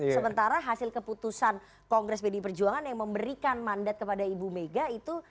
sementara hasil keputusan kongres pdi perjuangan yang memberikan mandat kepada ibu mega itu